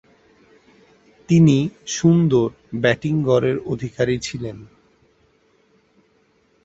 তিনি সুন্দর ব্যাটিং গড়ের অধিকারী ছিলেন।